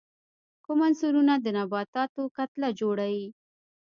کوم عنصرونه د نباتاتو کتله جوړي؟